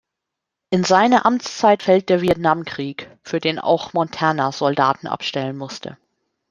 In seine Amtszeit fällt der Vietnamkrieg, für den auch Montana Soldaten abstellen musste.